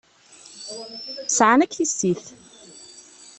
Sεan akk tissit.